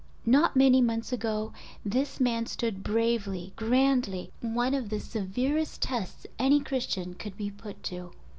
Not many months ago this man stood bravely, grandly, one of the severest tests any Christian could be put to.